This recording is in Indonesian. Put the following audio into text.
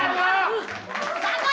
kurang asian lo